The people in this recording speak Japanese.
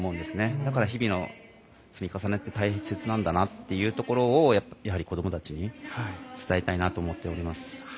だから、日々の積み重ねって大切なんだなということをやはり子どもたちに伝えたいなと思っております。